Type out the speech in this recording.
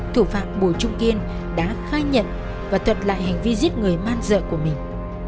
thủ phạm bùi trung kiên đã khai nhận và thật lại hành vi giết người man dợ của mình